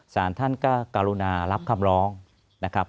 สารท่านก็กรุณารับคำร้องนะครับ